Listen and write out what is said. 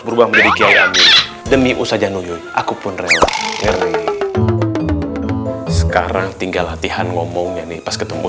berubah menjadi kaya demi usaha nuyut aku pun rehat sekarang tinggal latihan ngomongnya nih pas ketemu